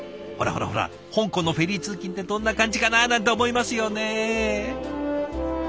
ほらほらほら香港のフェリー通勤ってどんな感じかな？なんて思いますよね。